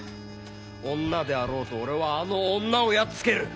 女であろうと俺はあの女をやっつける！